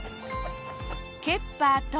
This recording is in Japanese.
ケッパーと。